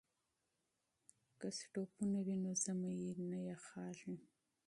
که بخارۍ وي نو ژمی نه یخیږي.